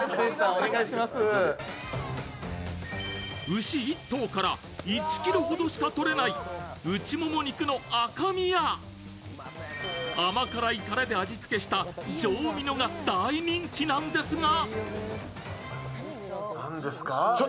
牛一頭から１ｋｇほどしかとれない内もも肉の赤身や甘辛いたれで味付けした上ミノが大人気なんですが。